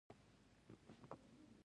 په افغانستان کې د یورانیم منابع شته.